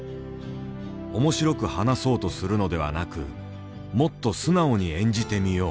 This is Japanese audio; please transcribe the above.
面白く話そうとするのではなくもっと素直に演じてみよう。